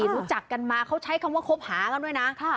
รู้จักกันมาเขาใช้คำว่าคบหากันด้วยนะ